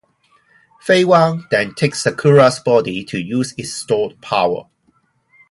Fei-Wang then takes Sakura's body to use its stored power.